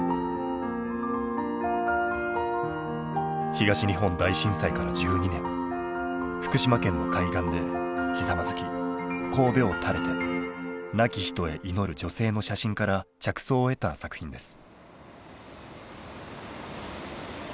東日本大震災から１２年福島県の海岸でひざまずき頭を垂れて亡き人へ祈る女性の写真から着想を得た作品です。